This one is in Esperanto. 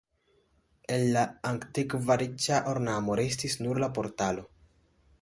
El la antikva riĉa ornamo restis nur la portalo.